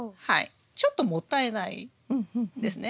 ちょっともったいないですね。